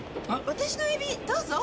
私のエビどうぞ。